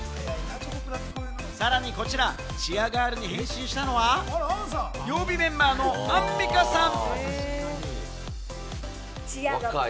さらにこちら、チアガールに変身したのは、曜日メンバーのアンミカさん。